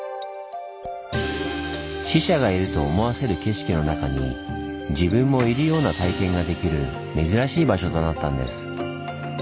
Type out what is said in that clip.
死者がいると思わせる景色の中に自分もいるような体験ができる珍しい場所となったんです。